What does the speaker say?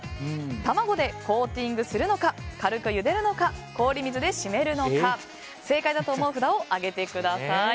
卵でコーティングするのか軽くゆでるのか氷水で締めるのか正解だと思う札を上げてください。